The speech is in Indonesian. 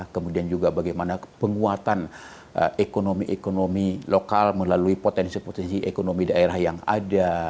kemudian juga bagaimana penguatan ekonomi ekonomi lokal melalui potensi potensi ekonomi daerah yang ada